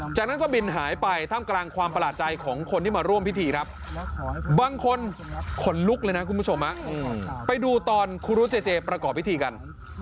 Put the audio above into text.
จากนั้นก็บินหายไปท่ามกลางความประหลาดใจของคนที่มาร่วมพิธีครับบางคนขนลุกเลยนะคุณผู้ชมไปดูตอนครูรุเจเจประกอบพิธีกัน